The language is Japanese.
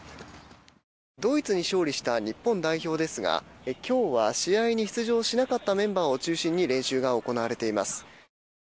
ドイツに勝利した日本代表ですが今日は試合に出場しなかったメンバーを中心に練習が行われています。